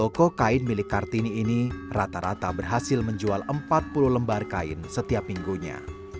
toko kain milik kartini ini rata rata berhasil menjual empat puluh lembar kain setiap minggunya